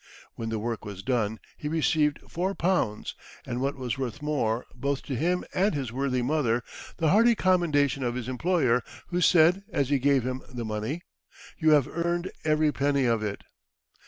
When the work was done, he received four pounds, and what was worth more, both to him and his worthy mother, the hearty commendation of his employer, who said, as he gave him the money "You have earned every penny of it."